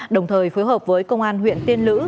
đồng thời phối hợp với công an huyện tiên lữ